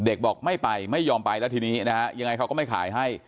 บอกไม่ไปไม่ยอมไปแล้วทีนี้นะฮะยังไงเขาก็ไม่ขายให้